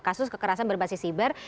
kasus kekerasan berbasis siber